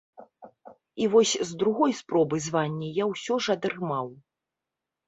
І вось з другой спробы званне я ўсё ж атрымаў.